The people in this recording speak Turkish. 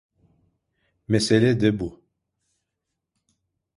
Mesele de bu.